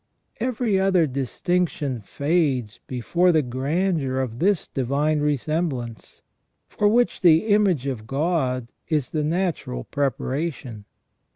Every other distinction fades before the grandeur of this divine resemblance, for which the image of God is the natural preparation.